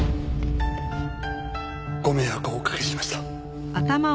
ご迷惑をおかけしました。